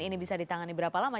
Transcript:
ini bisa ditangani berapa lama